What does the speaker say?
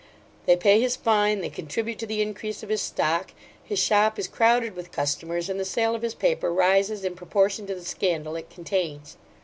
They pay his fine, they contribute to the increase of his stock, his shop is crowded with customers, and the sale of his paper rises in proportion to the scandal it contains.